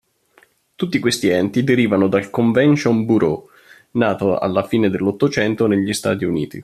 Tutti questi enti derivano dal Convention bureau, nato alla fine dell'Ottocento negli Stati Uniti.